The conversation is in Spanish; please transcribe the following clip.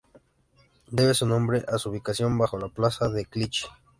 Debe su nombre a su ubicación bajo la plaza de Clichy.